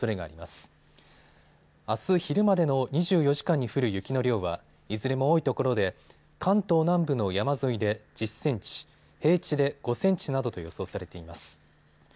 あす昼までの２４時間に降る雪の量はいずれも多いところで関東南部の山沿いで１０センチ、平地で５センチなどと予想されています。